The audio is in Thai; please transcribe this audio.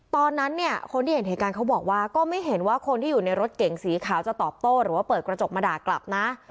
ตอนนั้นเนี่ยคนที่เห็นเหตุการณ์เขาบอกว่าก็ไม่เห็นว่าคนที่อยู่ในรถเก่งสีขาวจะตอบโต้หรือว่าเปิดกระจกมาด่ากลับนะ